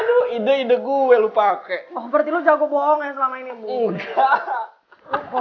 udah gue lupa kek berarti lo jago bohong ya selama ini buka